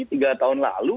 tiga tahun lalu